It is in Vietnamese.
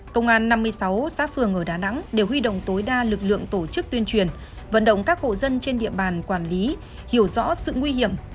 công an năm mươi sáu xã phường ở đà nẵng đều huy động tối đa lực lượng tổ chức tuyên truyền vận động các hộ dân trên địa bàn quản lý hiểu rõ sự nguy hiểm